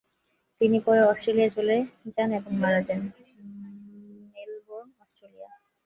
তিনি পরে অস্ট্রেলিয়া চলে এবং মারা যান মেলবোর্ন, অস্ট্রেলিয়া ।